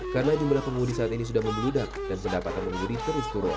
karena jumlah pengemudi saat ini sudah membeludak dan pendapatan pengemudi terus turun